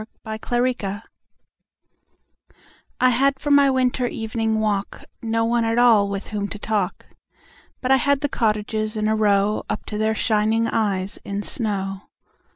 Good Hours I HAD for my winter evening walk No one at all with whom to talk, But I had the cottages in a row Up to their shining eyes in snow.